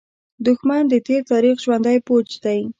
دښمن د تېر تاریخ ژوندى بوج دی